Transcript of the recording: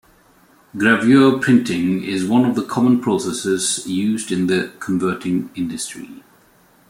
Gravure printing is one of the common processes used in the converting industry.